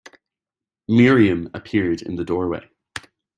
Miriam appeared in the doorway.